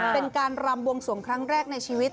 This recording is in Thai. เป็นการรำบวงสวงครั้งแรกในชีวิต